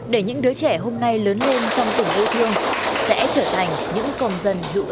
để những đứa trẻ hôm nay lớn lên trong tỉnh bình phước sẽ trở thành những công nghiệp